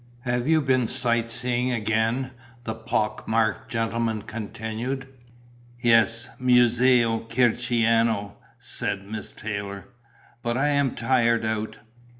"Have you been sight seeing again?" the pock marked gentleman continued. "Yes, Museo Kircheriano," said Miss Taylor. "But I am tired out.